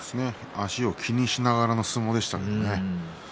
足を気にしながらの相撲でしたね。